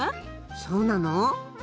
そうなの？